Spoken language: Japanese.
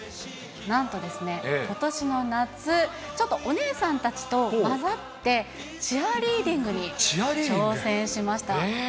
なんとことしの夏、ちょっとお姉さんたちと交ざって、チアリーディングに挑戦しました。